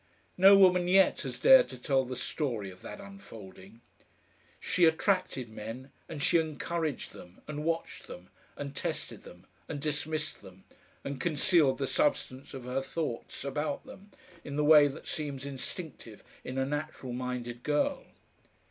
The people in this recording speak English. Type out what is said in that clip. No woman yet has dared to tell the story of that unfolding. She attracted men, and she encouraged them, and watched them, and tested them, and dismissed them, and concealed the substance of her thoughts about them in the way that seems instinctive in a natural minded girl.